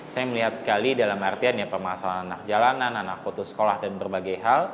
saya melihat sekali dalam artian ya permasalahan anak jalanan anak putus sekolah dan berbagai hal